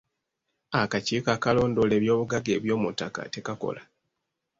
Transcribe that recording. Akakiiko akalondoola ebyobugagga eby'omuttaka tekakola.